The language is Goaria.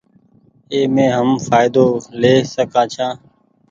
اي مين هم ڦآئدو لي سڪآن ڇآن۔